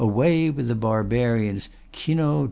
Away with the barbarians!" (Kinno!